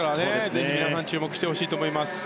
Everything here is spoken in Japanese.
ぜひ皆さん注目してほしいです。